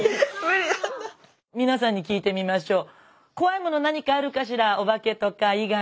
みなさんに聞いてみましょう。